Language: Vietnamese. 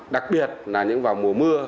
đặc biệt là những vào mùa mưa